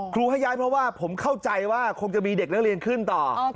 ให้ย้ายเพราะว่าผมเข้าใจว่าคงจะมีเด็กนักเรียนขึ้นต่อ